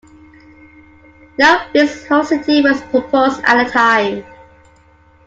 No fixed host city was proposed at the time.